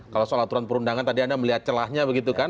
kalau soal aturan perundangan tadi anda melihat celahnya begitu kan